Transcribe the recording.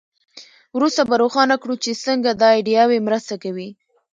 وروسته به روښانه کړو چې څنګه دا ایډیاوې مرسته کوي.